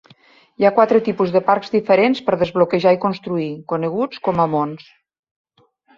Hi ha quatre tipus de parcs diferents per desbloquejar i construir, coneguts com a mons.